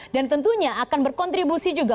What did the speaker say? dan tentunya akan berkontribusi juga